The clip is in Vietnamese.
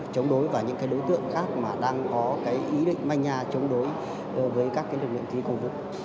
chống đối và những đối tượng khác mà đang có ý định manh nha chống đối với các lực lượng thi công vụ